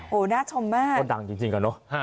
โหน่าชมมาก